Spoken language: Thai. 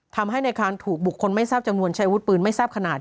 ทำให้ในคานถูกบุคคลไม่ทราบจำนวนใช้วุฒิปืนไม่ทราบขนาด